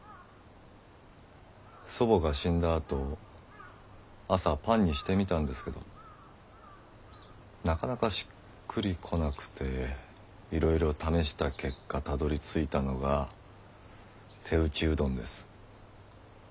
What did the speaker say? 祖母が死んだあと朝パンにしてみたんですけどなかなかしっくりこなくていろいろ試した結果たどりついたのが手打ちうどんです。